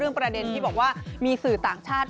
ประเด็นที่บอกว่ามีสื่อต่างชาติ